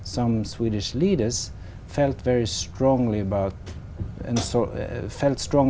đó là một lý do rất quan trọng